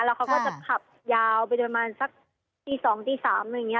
แล้วเขาก็จะขับยาวไปประมาณสักตี๒ตี๓อะไรอย่างนี้